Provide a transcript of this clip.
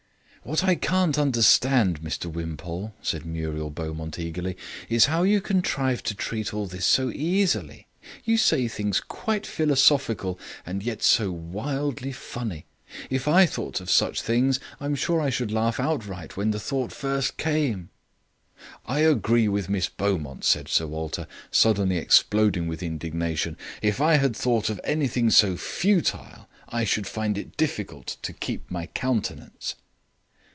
"What I can't understand, Mr Wimpole," said Muriel Beaumont eagerly, "is how you contrive to treat all this so easily. You say things quite philosophical and yet so wildly funny. If I thought of such things, I'm sure I should laugh outright when the thought first came." "I agree with Miss Beaumont," said Sir Walter, suddenly exploding with indignation. "If I had thought of anything so futile, I should find it difficult to keep my countenance."